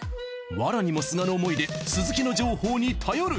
藁にもすがる思いで鈴木の情報に頼る。